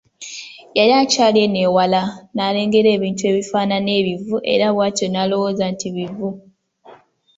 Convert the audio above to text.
Yali akyali eno ewala n’alengera ebintu ebifaanana ng’ebivu era bwatyo n’alowooza nti bivu.